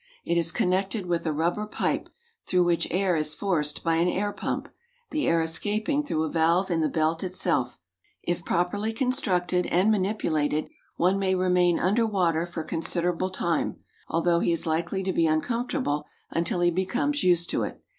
It is connected with a rubber pipe, through which air is forced by an air pump, the air escaping through a valve in the belt itself. If properly constructed and manipulated, one may remain under water for considerable time, although he is likely to be uncomfortable until he becomes used to it.